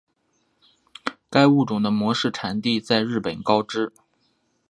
该物种的模式产地在日本高知。